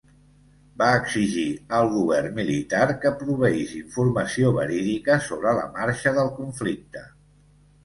Va exigir al govern militar que proveís informació verídica sobre la marxa del conflicte.